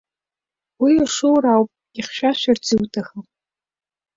Уи ашоура ауп ихьшәашәарц иуҭахым.